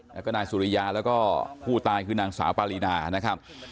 แล้วก็นายสุริยาแล้วก็ผู้ตายคือนางสาวปารีนานะครับ